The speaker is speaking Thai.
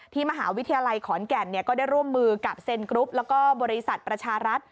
มหาวิทยาลัยขอนแก่นก็ได้ร่วมมือกับเซ็นกรุ๊ปแล้วก็บริษัทประชารัฐ